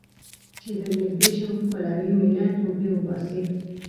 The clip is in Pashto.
چې درنږدې شم ښکلوې مې نه ، توبې وباسې